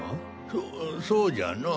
そそうじゃのォ。